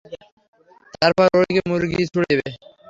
তারপর ওর দিকে মুরগি ছুঁড়ে দেবে।